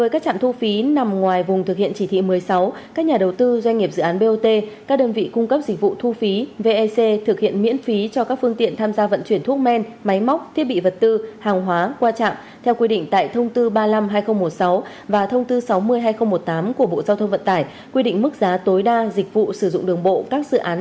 cụ thể tổng cục đường bộ việt nam yêu cầu các nhà đầu tư doanh nghiệp dự án bot các đơn vị cung cấp dịch vụ thu phí vec bố trí nhân lực bảo vệ thiết bị và tài sản trạm thu phí trở lại ngay sau khi hết thời gian giãn cách